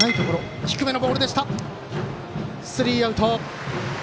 スリーアウト。